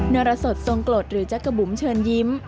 รสทรงกรดหรือจักรบุ๋มเชิญยิ้ม